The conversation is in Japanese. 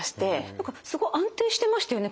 何かすごい安定してましたよね